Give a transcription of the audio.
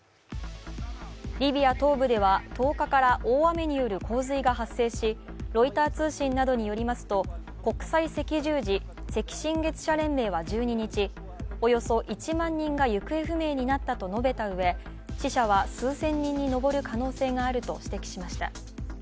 リビア東部では１０日から大雨による洪水が発生しロイター通信などによりますと国際赤十字・赤新月社連盟は１２日、およそ１万人が行方不明になったと述べたうえ死者は数千人に上る可能性があると指摘しました。